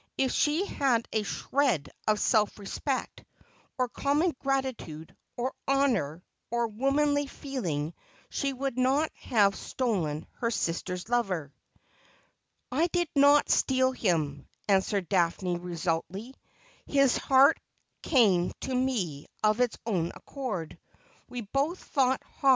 If she had a shred of self respect, or common gratitude, or honour, or womanly feeling, she would not have stolen her sister's lover.' ' I did not steal him,' answered Daphne resolutely. ' His heart came to me of its own accord. We both fought hard 'Is there no Grace?